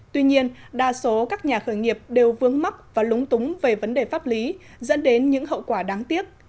tuy nhiên đa số các nhà khởi nghiệp đều vướng mắc và lúng túng về vấn đề pháp lý dẫn đến những hậu quả đáng tiếc